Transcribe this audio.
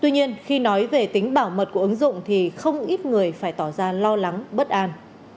tuy nhiên khi nói về tính bảo mật của ứng dụng thì không ít người phải tỏ ra lo lắng bất an